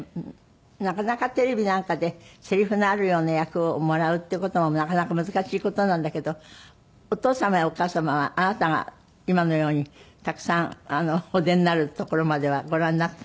なかなかテレビなんかでセリフのあるような役をもらうっていう事もなかなか難しい事なんだけどお父様やお母様はあなたが今のようにたくさんお出になるところまではご覧になった？